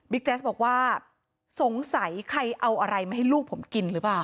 แจ๊สบอกว่าสงสัยใครเอาอะไรมาให้ลูกผมกินหรือเปล่า